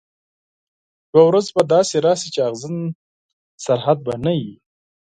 یوه ورځ به داسي راسي چي اغزن سرحد به نه وي